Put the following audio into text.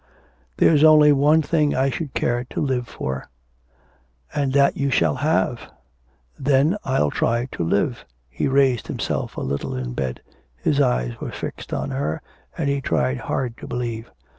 'There's only one thing I should care to live for.' 'And that you shall have.' 'Then I'll try to live.' He raised himself a little in bed. His eyes were fixed on her and he tried hard to believe.